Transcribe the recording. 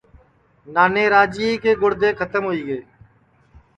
نانے راجیئے کے گُردے کھتم ہوئی گے